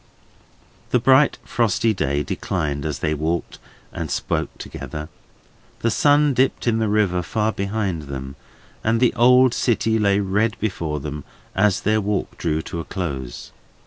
The bright, frosty day declined as they walked and spoke together. The sun dipped in the river far behind them, and the old city lay red before them, as their walk drew to a close.